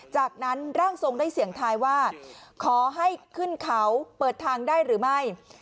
จากนั้นร่างทรงได้เสี่ยงทายว่าขอให้ขึ้นเขาเปิดทางได้หรือไม่